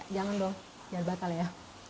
jangan dong jangan batal ya